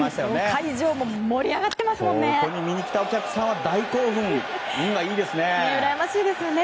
会場も盛り上がってますね。